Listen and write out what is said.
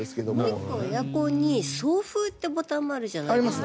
結構エアコンに送風ってボタンもあるじゃないですか。